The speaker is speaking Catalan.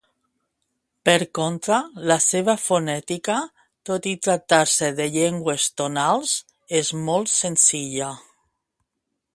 Per contra, la seva fonètica, tot i tractar-se de llengües tonals, és molt senzilla.